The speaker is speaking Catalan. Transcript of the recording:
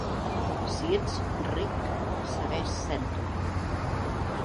Si ets ric, segueix sent-ho.